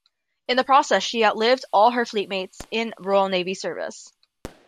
In the process she outlived all her fleetmates in Royal Navy service.